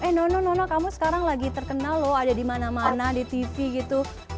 eh nono nono kamu sekarang lagi terkenal loh ada di mana mana di tv gitu